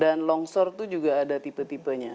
dan longshore itu juga ada tipe tipenya